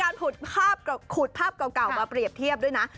แถบยังมีการขุดภาพเก่ามาเปรียบเทียบด้วยนะ